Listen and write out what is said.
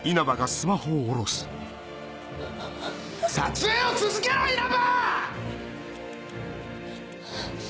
撮影を続けろ因幡‼